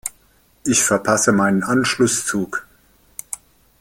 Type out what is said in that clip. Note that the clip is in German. Ich verpasse meinen Anschlusszug.